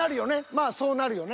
まあそうなるよね。